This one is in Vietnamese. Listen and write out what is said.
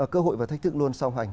cơ hội và thách thức luôn song hoành